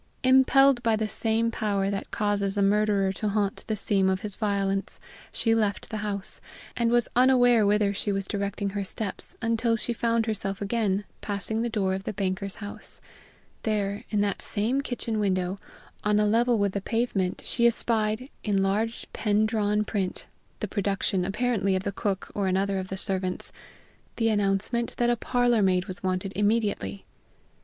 Impelled by the same power that causes a murderer to haunt the scene of his violence, she left the house, and was unaware whither she was directing her steps until she found herself again passing the door of the banker's house; there, in that same kitchen window, on a level with the pavement, she espied, in large pen drawn print, the production apparently of the cook or another of the servants, the announcement that a parlor maid was wanted immediately.